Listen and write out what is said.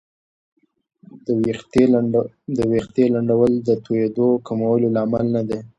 ویښتې لنډول د توېیدو د کمولو لامل نه دی.